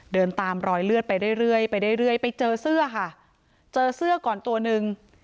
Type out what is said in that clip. เดินตามรอยเลือดไปเรื่อยไปเรื่อยไปเจอเสื้อค่ะเจอเสื้อก่อนตัวหนึ่ง